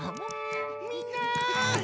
みんな！